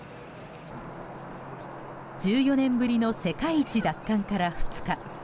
１４年ぶりの世界一奪還から２日。